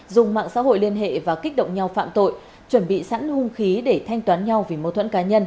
dùng mạng xã hội liên hệ và kích động nhau phạm tội chuẩn bị sẵn hung khí để thanh toán nhau vì mâu thuẫn cá nhân